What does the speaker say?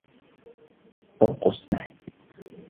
ارقص معي.